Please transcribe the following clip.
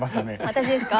私ですか？